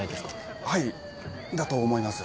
はいだと思います。